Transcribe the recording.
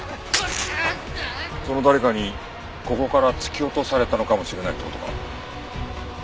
その誰かにここから突き落とされたのかもしれないって事か？